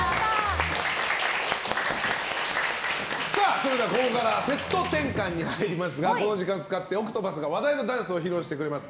それでは、ここからセット転換に入りますがこの時間を使ってＯＣＴＰＡＴＨが話題のダンスを披露してくれます。